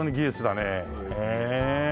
へえ。